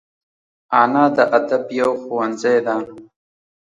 انا د ادب یو ښوونځی ده